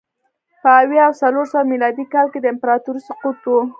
په اویا او څلور سوه میلادي کال کې د امپراتورۍ سقوط و